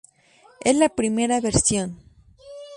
Es la primera versión.